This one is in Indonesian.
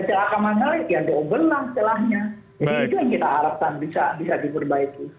jadi itu yang kita harapkan bisa diperbaiki